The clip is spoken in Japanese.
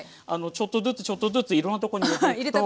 ちょっとずつちょっとずついろんなとこにおくと。